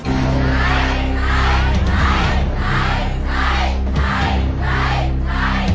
ใช่ใช่ใช่